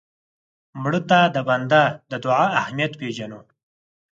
مړه ته د بنده د دعا اهمیت پېژنو